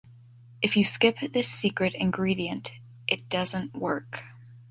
If you skip this secret ingredient, it doesn’t work.